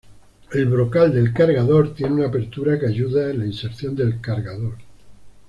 El brocal del cargador tiene una apertura que ayuda en la inserción del cargador.